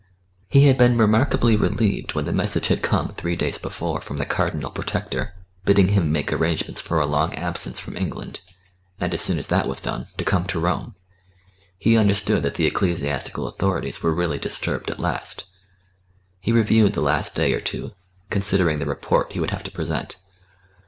He had been remarkably relieved when the message had come three days before from the Cardinal Protector, bidding him make arrangements for a long absence from England, and, as soon as that was done, to come to Rome. He understood that the ecclesiastical authorities were really disturbed at last. He reviewed the last day or two, considering the report he would have to present.